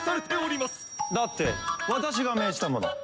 だって私が命じたもの。